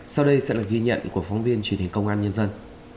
sau đây sẽ là ghi nhận của phóng viên truyền hình công an nhân dân